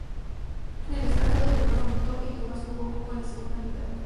En el descanso el dolor aumentó y Thomas jugó poco en la segunda mitad.